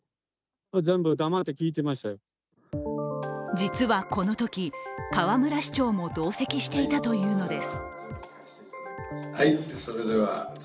実はこのとき、河村市長も同席していたというのです。